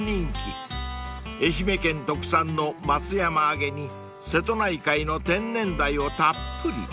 ［愛媛県特産の松山あげに瀬戸内海の天然ダイをたっぷり］